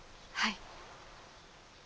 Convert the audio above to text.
はい。